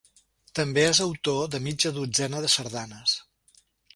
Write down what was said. També és autor de mitja dotzena de sardanes.